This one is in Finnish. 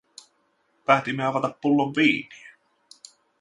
Päätimme avata pullon viiniä.